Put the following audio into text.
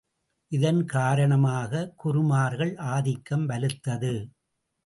இதன் காரணமாக குருமார்கள் ஆதிக்கம் வலுத்தது.